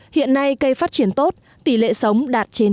hiện nay cây phát triển tốt tỷ lệ sống đạt trên chín mươi